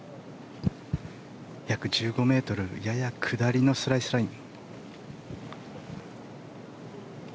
約１５ｍやや下りのスライスライン。